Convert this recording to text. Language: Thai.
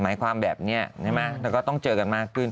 หมายความแบบนี้ใช่ไหมแล้วก็ต้องเจอกันมากขึ้น